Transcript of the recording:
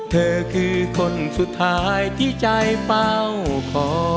เธอคือคนสุดท้ายที่ใจเป้าขอ